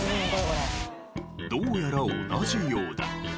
どうやら同じようだ。